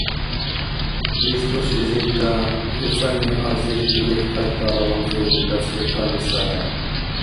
Иш дуслизирра вецӀани азирти гектартала ванзурби дацӀли калесара?